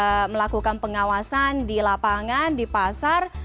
mereka sudah melakukan pengawasan di lapangan di pasar